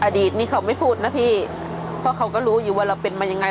อดีตนี้เขาไม่พูดนะพี่เพราะเขาก็รู้อยู่ว่าเราเป็นมายังไง